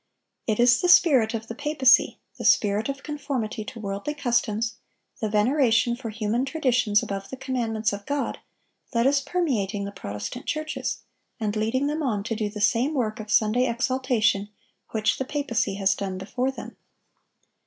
It is the spirit of the papacy,—the spirit of conformity to worldly customs, the veneration for human traditions above the commandments of God,—that is permeating the Protestant churches, and leading them on to do the same work of Sunday exaltation which the papacy has done before them.